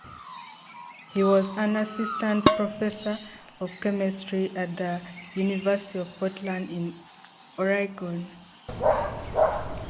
He was an assistant professor of Chemistry at the University of Portland in Oregon.